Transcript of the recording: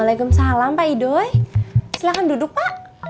langsung aja masuk pak idoi